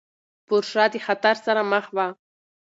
پورشه د خطر سره مخ وه.